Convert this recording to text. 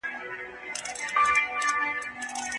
زه په ډاډ سره وایم چې ویده نه یم.